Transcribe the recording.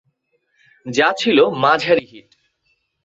যা ছিল মাঝারি হিট।